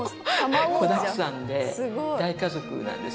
子だくさんで大家族なんですよね。